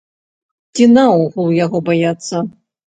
Ці, наогул, яго баяцца?